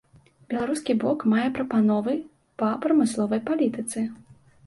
Беларускі бок мае прапановы па прамысловай палітыцы.